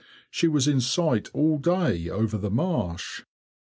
She was in sight all day over the marsh.